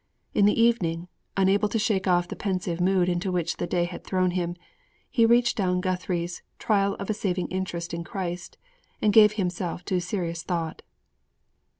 In the evening, unable to shake off the pensive mood into which the day had thrown him, he reached down Guthrie's Trial of a Saving Interest in Christ, and gave himself to serious thought.